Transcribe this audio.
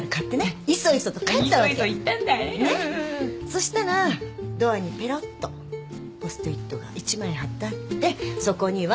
そしたらドアにぺろっとポスト・イットが１枚貼ってあってそこには。